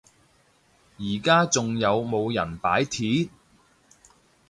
而家仲有冇人罷鐵？